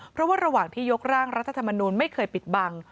เพราะว่าระหว่างที่ยกร่างรัฐธรรมนูลไม่เคยปิดบัง